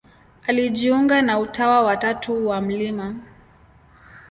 Alijiunga na Utawa wa Tatu wa Mt.